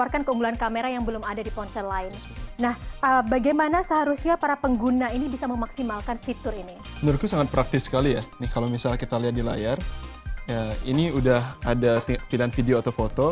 kalau kita lihat di layar ini sudah ada pilihan video atau foto